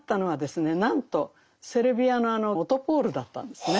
なんとセルビアのあの「オトポール！」だったんですね。